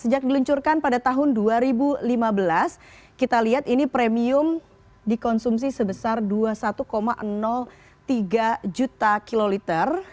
sejak diluncurkan pada tahun dua ribu lima belas kita lihat ini premium dikonsumsi sebesar dua puluh satu tiga juta kiloliter